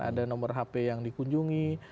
ada nomor hp yang dikunjungi